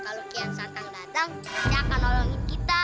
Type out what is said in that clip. kalau kian satang datang dia akan nolongin kita